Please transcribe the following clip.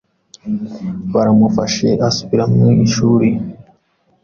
baramufasha asubira mu ishuri.